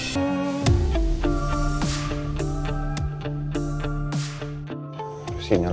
yaudah kita lanjut bang